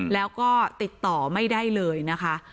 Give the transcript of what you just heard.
แล้วก็ติดต่อไม่ได้เลยนะคะ